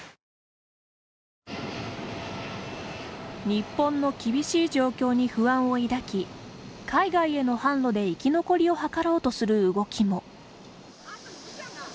日本の厳しい状況に不安を抱き海外への販路で生き残りを図ろうとする動きも。